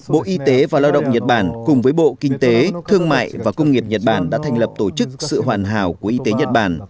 bộ y tế và lao động nhật bản cùng với bộ kinh tế thương mại và công nghiệp nhật bản đã thành lập tổ chức sự hoàn hảo của y tế nhật bản